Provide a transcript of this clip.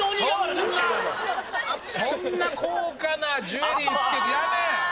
そんな高価なジュエリーつけてやめ！